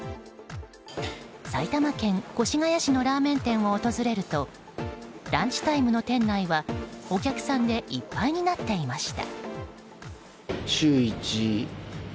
埼玉県越谷市のラーメン店を訪れるとランチタイムの店内はお客さんでいっぱいになっていました。